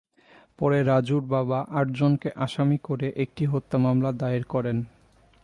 পরে রাজু বাবা আটজনকে আসামি করে একটি হত্যা মামলা দায়ের করেন।